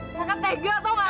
kakak tegas tau gak